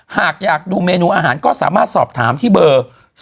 หากอยากดูเมนูอาหารก็สามารถสอบถามที่เบอร์๒